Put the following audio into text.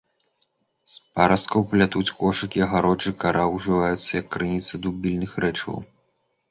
З парасткаў плятуць кошыкі, агароджы, кара ўжываецца як крыніца дубільных рэчываў.